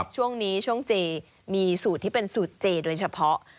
ช่วงนี้ช่วงเจมีสูตรที่เป็นสูตรเจโดยเฉพาะ